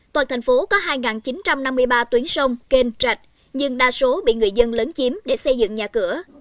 toàn thành phố có hai chín trăm năm mươi ba tuyến sông kênh rạch nhưng đa số bị người dân lớn chiếm để xây dựng nhà cửa